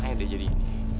ayo yang terlambat ya